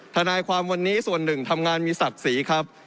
ทนายความวันนี้ส่วนหนึ่งทำงานมีศักดิ์ศรีครับ